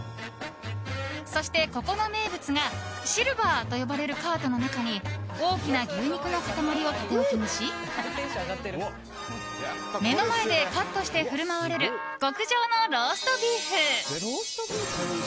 そして、ここの名物がシルバーと呼ばれるカートの中に大きな牛肉の塊を縦置きにし目の前でカットして振る舞われる極上のローストビーフ。